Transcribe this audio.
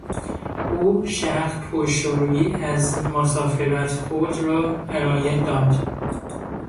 او شرح پرشوری از مسافرت خود را ارائه داد.